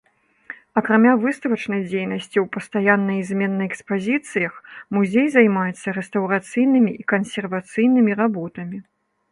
Акрамя выставачнай дзейнасці ў пастаяннай і зменнай экспазіцыях музей займаецца рэстаўрацыйнымі і кансервацыйнымі работамі.